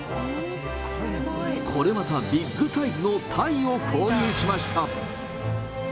これまたビッグサイズのタイを購入しました。